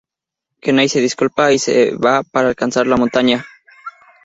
Kenai se disculpa y se va para alcanzar la montaña.